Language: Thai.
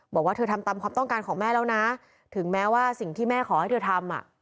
บอกว่าเธอทำตามความต้องการของแม่แล้วนะถึงแม้ว่าสิ่งที่แม่ขอให้เธอทำ